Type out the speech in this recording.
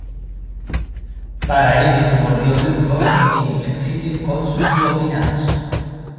Para ello se volvió riguroso e inflexible con sus subordinados.